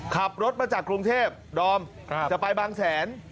ขับรถมาจากกรุงเทพดอมจะไปบางแสน